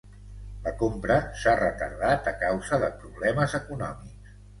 La compra s'ha retardat a causa de problemes econòmics.